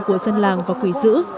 của dân làng và quỷ dữ